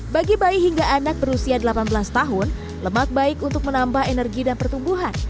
bagi bayi hingga anak berusia delapan belas tahun lemak baik untuk menambah energi dan pertumbuhan